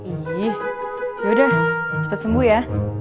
iya yaudah cepet sembuh ya